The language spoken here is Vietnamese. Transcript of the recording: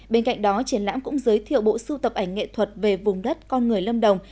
bên cạnh đó triển lãm cũng giới thiệu bộ sưu tập ảnh nghệ thuật về vùng đất con người lâm đồng